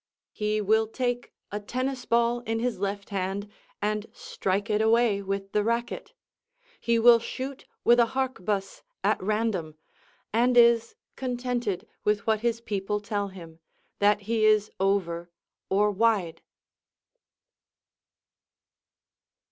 He will take a tennis ball in his left hand and strike it away with the racket; he will shoot with a harquebuss at random, and is contented with what his people tell him, that he is over, or wide.